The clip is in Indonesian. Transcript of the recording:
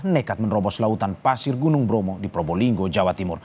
nekat menerobos lautan pasir gunung bromo di probolinggo jawa timur